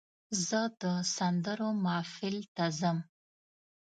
زه د سندرو محفل ته ځم.